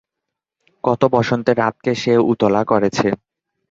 কত বসন্তের রাতকে সে উতলা করেছে।